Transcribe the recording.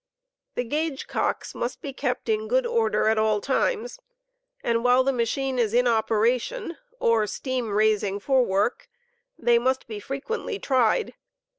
The gauge cooks must be kept in good orde* at all times, atfd while the ma chine is in operation, or steam raising for work, they must be frequently tried.